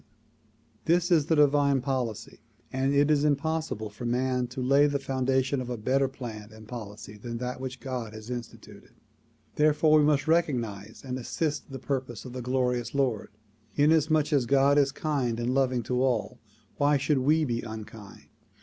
DISCOURSE DELIVERED IX PITTSBURGH 103 This is the divine policy and it is impossible for man to lay the foundation of a better plan and policy than that which God has instituted. Therefore we must recognize and assist the purpose of the glorious Lord. Inasmuch as God is kind and loving to all why should we be unkind